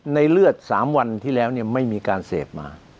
เลือด๓วันที่แล้วไม่มีการเสพมา